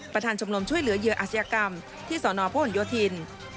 ประธานชมรมช่วยเหลือเยืออาศียกรรมที่สนพยธินทร์